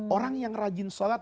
orang yang rajin sholat